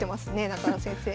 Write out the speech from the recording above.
中川先生。